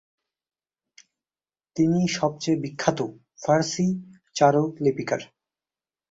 তিনি সবচেয়ে বিখ্যাত ফার্সি চারুলিপিকার।